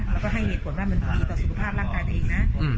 แล้วก็ให้เหตุผลว่ามันดีต่อสุขภาพร่างกายตัวเองนะ